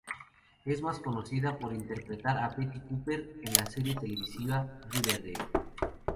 Es más conocida por interpretar a Betty Cooper en la serie televisiva "Riverdale".